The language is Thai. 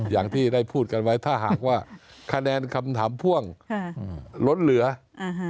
อย่างที่ได้พูดกันไว้ถ้าหากว่าคะแนนคำถามพ่วงค่ะอืมล้นเหลืออ่าฮะ